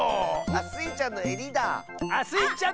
あっスイちゃんのえりだ！